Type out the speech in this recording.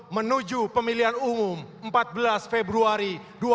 menuju pemilihan umum empat belas februari dua ribu dua puluh empat